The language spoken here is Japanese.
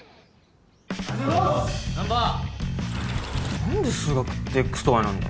何で数学ってＸとＹなんだ？